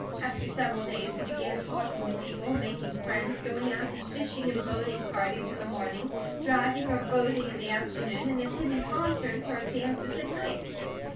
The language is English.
After several days they began talking to people and making friends, going out in fishing and boating parties in the morning, driving or boating in the afternoon, and attending concerts or dances at night.